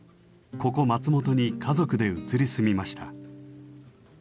ここ松本に家族で移り住みました。